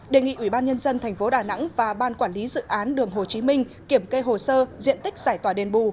đề nghị ubnd thành phố đà nẵng và ban quản lý dự án đường hồ chí minh kiểm kê hồ sơ diện tích giải tỏa đền bù